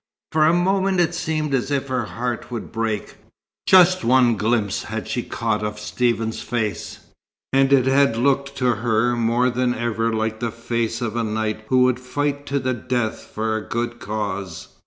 For a moment it seemed as if her heart would break. Just one glimpse had she caught of Stephen's face, and it had looked to her more than ever like the face of a knight who would fight to the death for a good cause.